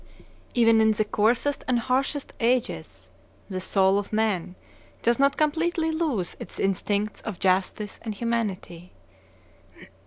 Even in the coarsest and harshest ages the soul of man does not completely lose its instincts of justice and humanity.